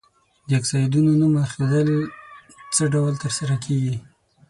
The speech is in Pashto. د اکسایدونو نوم ایښودل څه ډول تر سره کیږي؟